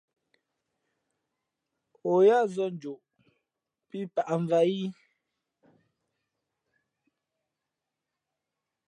O yát zᾱ njoꞌ pí pǎʼmvāt í ?